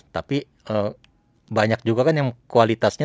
tapi banyak juga kan yang kualitasnya